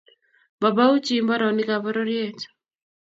Mabau chi mbaronik ab bororiet